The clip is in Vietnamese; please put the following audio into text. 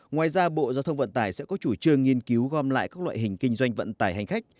ngoài ra bộ giao thông vận tải sẽ có chủ trương nghiên cứu gom lại các loại hình kinh doanh vận tải hành khách